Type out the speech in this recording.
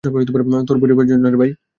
তোর পরিবারের জন্য।